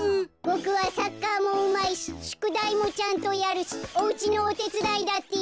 ボクはサッカーもうまいししゅくだいもちゃんとやるしおうちのおてつだいだってやる。